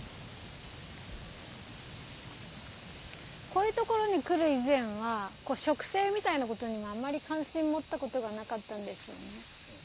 こういうところに来る以前は植生みたいなことにはあまり関心持ったことがなかったんですよね。